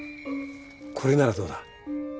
これならどうだ？